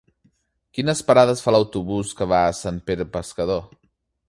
Quines parades fa l'autobús que va a Sant Pere Pescador?